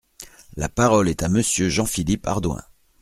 La parole est à Monsieur Jean-Philippe Ardouin.